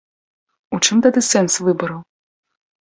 У чым тады сэнс выбараў?